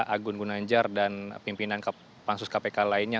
agun gunanjar dan pimpinan pansus kpk lainnya